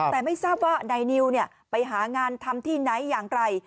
แต่ไม่ทราบว่านายนิวไปหางานทำที่ไหนอย่างไร